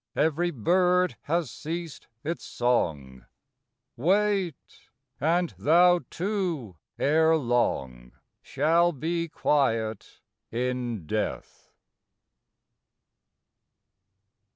Every bird has ceased its song, Wait ; and thou too, ere long, Shall be quiet in death.